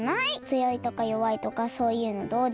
つよいとかよわいとかそういうのどうでもいい。